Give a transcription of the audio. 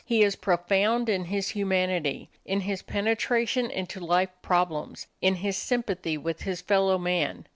He is profound in his humanity, in his penetration into life problems, in his sympathy with his fellow man.